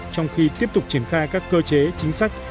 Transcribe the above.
trong khi tiếp tục triển khai các cơ chế chính sách